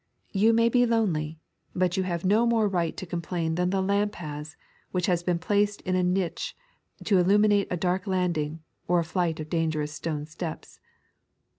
You may be lonely, but you have no more right to complain than the lamp has, which has been placed iu a niche to illumine a dark lauding or a flight of dangerous stone steps.